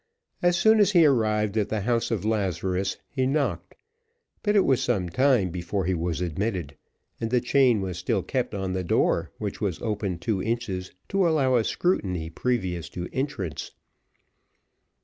As soon as he arrived at the house of Lazarus, he knocked, but it was some time before he was admitted, and the chain was still kept on the door, which was opened two inches to allow a scrutiny previous to entrance.